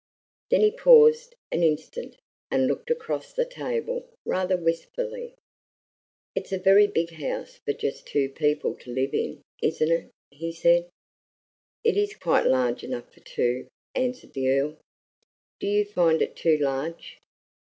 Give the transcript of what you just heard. Then he paused an instant and looked across the table rather wistfully. "It's a very big house for just two people to live in, isn't it?" he said. "It is quite large enough for two," answered the Earl. "Do you find it too large?"